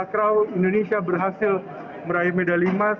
akra krau indonesia berhasil meraih medali emas